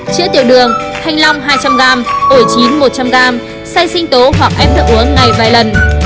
chữa tiểu đường thanh long hai trăm linh g ổi chín một trăm linh g xay sinh tố hoặc ép đậu uống ngày vài lần